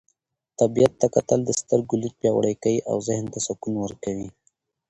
طبیعت ته کتل د سترګو لید پیاوړی کوي او ذهن ته سکون ورکوي.